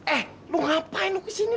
eh lu ngapain lu kesini